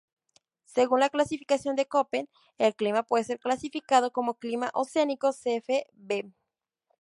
Según la clasificación de Köppen, el clima puede ser clasificado como clima oceánico Cfb.